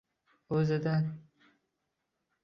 O’zidan!